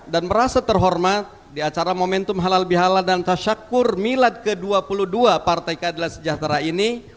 dan merasa terhormat di acara momentum halal bihala dan tasyakkur milad ke dua puluh dua partai keadilan sejahtera ini